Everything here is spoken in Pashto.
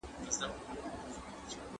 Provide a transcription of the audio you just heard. په دې پروسه کي بېلابېل تغيرات رامنځته کېږي.